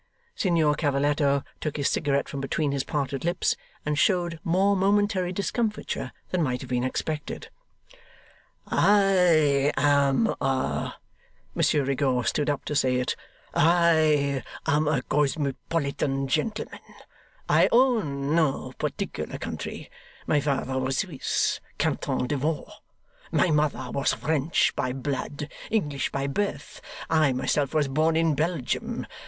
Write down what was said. Signor Cavalletto took his cigarette from between his parted lips, and showed more momentary discomfiture than might have been expected. 'I am a' Monsieur Rigaud stood up to say it 'I am a cosmopolitan gentleman. I own no particular country. My father was Swiss Canton de Vaud. My mother was French by blood, English by birth. I myself was born in Belgium.